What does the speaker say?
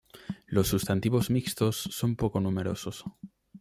Los sustantivos mixtos son poco numerosos.